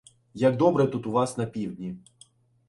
Як добре тут у вас на Півдні